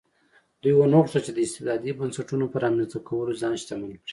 دوی ونه غوښتل چې د استبدادي بنسټونو په رامنځته کولو ځان شتمن کړي.